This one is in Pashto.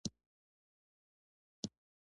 انسان له تخیل نه محاسبه ته واوښت.